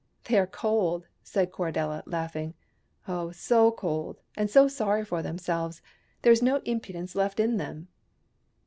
" They are cold," said Corridella, laughing, " oh, so cold, and so sorry for themselves. There is no impudence left in them."